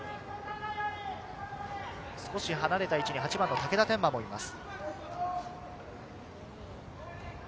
少し離れた位置に竹田天馬がいます。